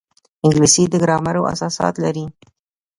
انګلیسي د ګرامر اساسات لري